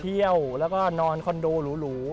เที่ยวแล้วก็นอนคอนโดหรู